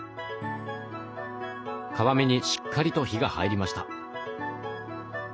皮目にしっかりと火が入りました。